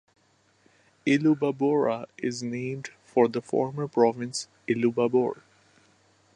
Illubabora is named for the former province Illubabor.